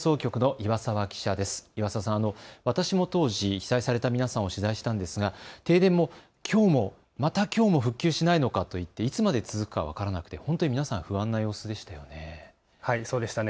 岩澤さん、私も当時、被災された皆さんを取材したんですが停電が、またきょうも復旧しないのかといっていつまで続くのか分からなくて、ほんとに皆さん不安な様子でしたよね。